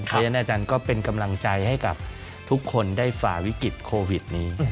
เพราะฉะนั้นอาจารย์ก็เป็นกำลังใจให้กับทุกคนได้ฝ่าวิกฤตโควิดนี้